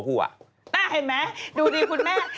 เห็นไหมดูดิคุณแม่